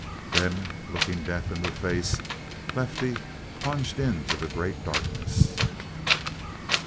Then, looking death in the face, Lefty plunged into the great darkness.